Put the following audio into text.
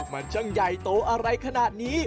มันช่างใหญ่โตอะไรขนาดนี้